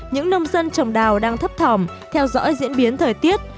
những nông dân trồng đào đang thấp thòm theo dõi diễn biến thời tiết